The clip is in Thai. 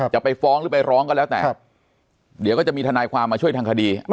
จะไปฟ้องหรือไปร้องก็แล้วแต่เดี๋ยวก็จะมีทนายความมาช่วยทางคดี